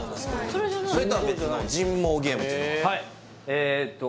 それとは別の人毛ゲームというのがえっと